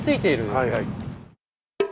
はいはい。